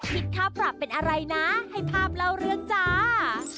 คิดค่าปรับเป็นอะไรนะให้ภาพเล่าเรื่องจ้า